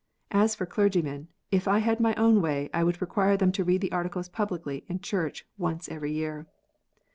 As for clergymen, if I had my own way I would require them to read the Articles publicly in church once every year.